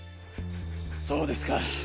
そうですか。